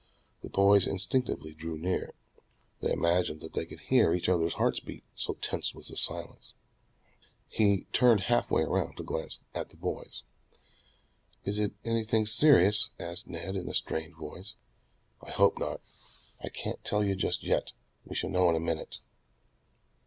The boys instinctively drew near. They imagined that they could hear each other's hearts beat, so tense was the silence. He turned halfway around to glance at the boys. "Is it anything serious?" asked Ned in a strained voice. "I hope not. I can't tell you just yet. We shall know in a minute...